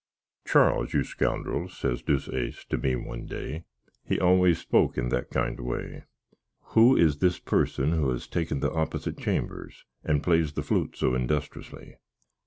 "Charles, you scoundrel," says Deuceace to me one day (he always spoak in that kind way), "who is this person that has taken the opsit chambers, and plays the flute so industrusly?"